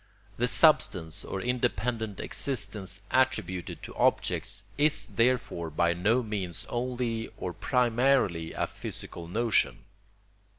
The substance or independent existence attributed to objects is therefore by no means only or primarily a physical notion.